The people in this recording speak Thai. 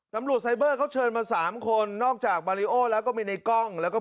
ทางนี้แหละ